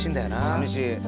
寂しい。